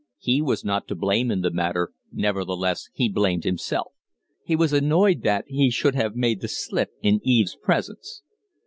He was not to blame in the matter, nevertheless he blamed himself. He was annoyed that, he should have made the slip in Eve's presence.